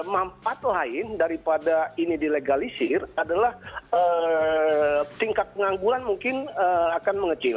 manfaat lain daripada ini dilegalisir adalah tingkat pengangguran mungkin akan mengecil